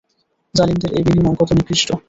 জালিমদের এ বিনিময় কত নিকৃষ্ট।